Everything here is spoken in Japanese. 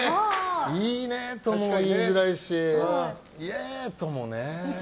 いいね！とも言いづらいしイエーイともね。